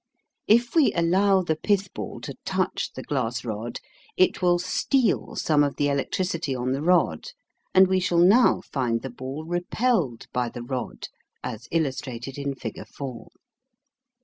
If we allow the pithball to touch the glass rod it will steal some of the electricity on the rod, and we shall now find the ball REPELLED by the rod, as illustrated in figure 4.